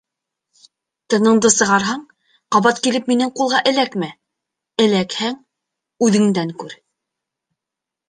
Тыныңды сығарһаң — ҡабат килеп минең ҡулға эләкмә, эләкһәң — үҙеңдән күр!